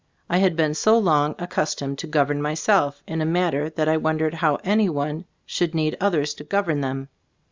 I had been so long accustomed to govern myself, in a manner, that I wondered how any one should need others to govern them.